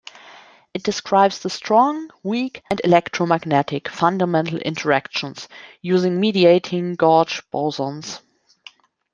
It describes the strong, weak, and electromagnetic fundamental interactions, using mediating gauge bosons.